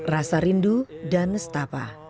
rasa rindu dan nestapa